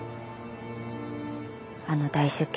あの大出血。